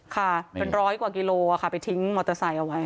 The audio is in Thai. ค่ะเป็นร้อยกว่ากิโลค่ะไปทิ้งมอเตอร์ไซค์เอาไว้